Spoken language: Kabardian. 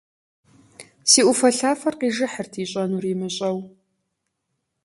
Си Ӏуфэлъафэр къижыхьырт, ищӀэнур имыщӀэу.